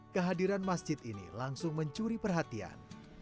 kehadiran masjid ini langsung mencuri perhatian